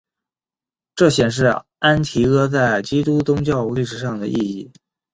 这显示安提阿在基督宗教历史上的意义。